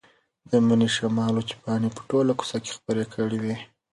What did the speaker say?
د مني شمال وچې پاڼې په ټوله کوڅه کې خپرې کړې وې.